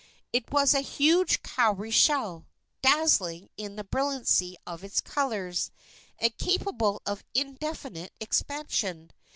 It was a huge cowrie shell, dazzling in the brilliancy of its colors, and capable of indefinite expansion.